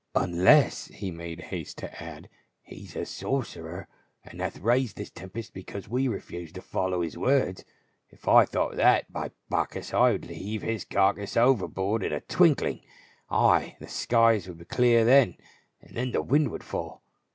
" Unless," he made haste to add, " he is a sorcerer, and hath raised this tempest because we refused to follow his words. If I thought that, by Bacchus, I would heave his carcase overboard in a twinkling ! Ay, the skies would clear then, and the wind would fall.